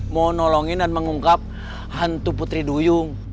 mau nolongin dan mengungkap hantu putri duyung